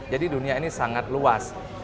jadi dunia ini sangat luas